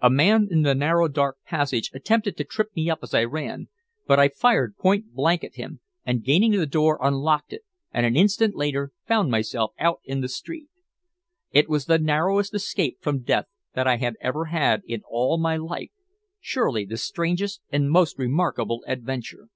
A man in the narrow dark passage attempted to trip me up as I ran, but I fired point blank at him, and gaining the door unlocked it, and an instant later found myself out in the street. It was the narrowest escape from death that I had ever had in all my life surely the strangest and most remarkable adventure.